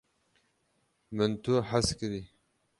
min tu hez kirî